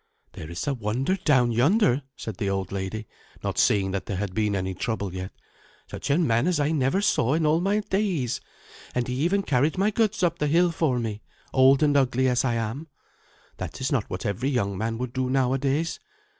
"There is a wonder down yonder," said the old lady, not seeing that there had been any trouble yet "such a man as I never saw in all my days; and he even carried my goods up all the hill for me, old and ugly as I am. That is not what every young man would do nowadays.